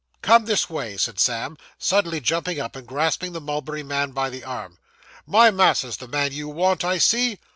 'Come this way,' said Sam, suddenly jumping up, and grasping the mulberry man by the arm. 'My mas'r's the man you want, I see.